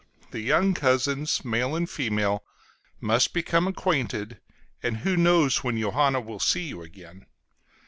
The young cousins, male and female, must become acquainted, and who knows when Johanna will see you again?